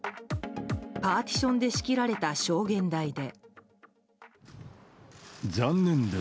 パーティションで仕切られた証言台で。